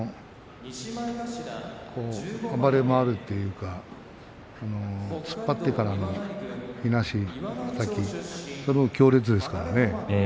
暴れ回るというか突っ張ってからのいなしはたき、それが強烈ですからね。